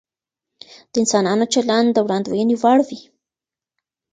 د انسانانو چلند د وړاندوينې وړ وي.